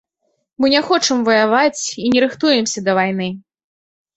Мы не хочам ваяваць і не рыхтуемся да вайны.